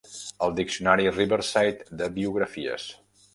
El diccionari Riverside de biografies.